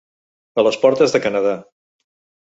A les portes de Canadà.